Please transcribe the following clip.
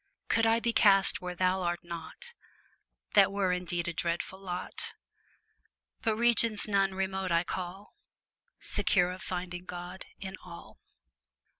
Could I be cast where Thou art not, That were indeed a dreadful lot; But regions none remote I call, Secure of finding God in all.